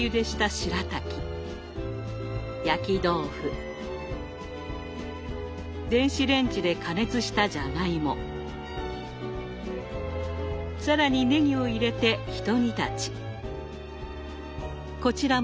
しらたき焼き豆腐電子レンジで加熱したじゃがいも更にねぎを入れてひと煮立ち。